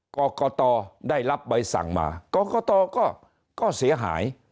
กรกตได้รับใบสั่งมากรกตก็เสียหาย